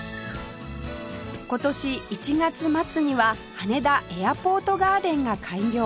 今年１月末には羽田エアポートガーデンが開業